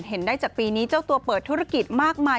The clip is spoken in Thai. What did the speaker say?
เห็นได้จากปีนี้เจ้าตัวเปิดธุรกิจมากมาย